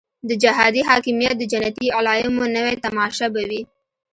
د جهادي حاکمیت د جنتي علایمو نوې تماشه به وي.